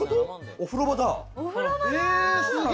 お風呂場だ。